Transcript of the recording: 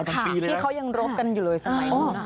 ที่เค้ายังรบกันอยู่เลยสมัยโบราณ